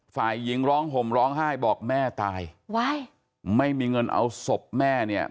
ฝ่ายหญิงร้องห่มร้องไห้บอกแม่ตายว้ายไม่มีเงินเอาศพแม่เนี่ย